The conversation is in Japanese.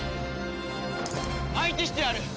相手してやる！